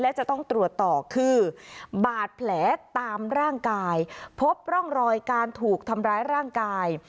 และจะต้องตรวจต่อคือบาดแผลตามร่างกายพบร่องรอยการถูกทำร้ายร่างกาย